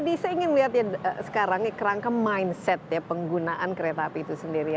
apa edy saya ingin melihat sekarang kerangka mindset penggunaan kereta api itu sendiri